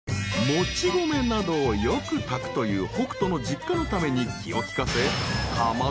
［もち米などをよく炊くという北斗の実家のために気を利かせ］